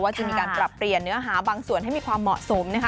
จะมีการปรับเปลี่ยนเนื้อหาบางส่วนให้มีความเหมาะสมนะคะ